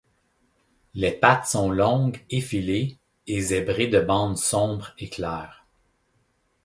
Les pattes sont longues, effilées et zébrées de bandes sombres et claires.